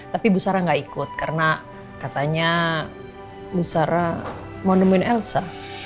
tapi bu sara gak ikut karena katanya bu sara mau nemuin elsa